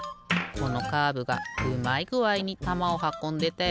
このカーブがうまいぐあいにたまをはこんでたよね。